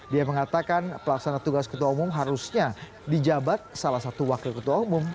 dia mengatakan pelaksana tugas ketua umum harusnya di jabat salah satu wakil ketua umum